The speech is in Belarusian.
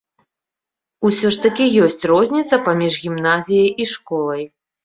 Усё ж такі ёсць розніца паміж гімназіяй і школай.